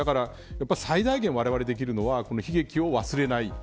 最大限われわれができるのは悲劇を忘れない。